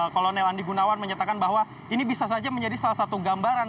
kolonel andi gunawan menyatakan bahwa ini bisa saja menjadi salah satu gambaran